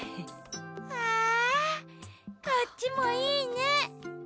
わこっちもいいね。